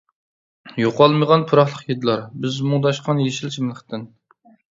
يوقالمىغان پۇراقلىق ھىدلار، بىز مۇڭداشقان يېشىل چىملىقتىن.